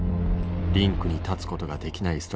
リンクに立つことができない